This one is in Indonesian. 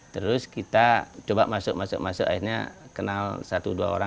terus kita coba masuk masuk masuk akhirnya kenal satu dua orang